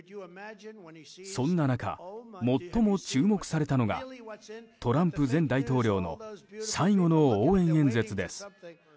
そんな中、最も注目されたのがトランプ前大統領の最後の応援演説です。